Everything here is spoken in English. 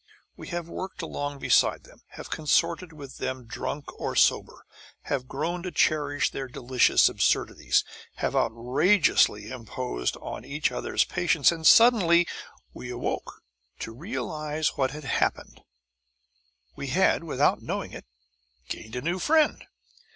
We have worked along beside them, have consorted with them drunk or sober, have grown to cherish their delicious absurdities, have outrageously imposed on each other's patience and suddenly we awoke to realize what had happened. We had, without knowing it, gained a new friend.